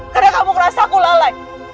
karena kamu kerasa aku lalai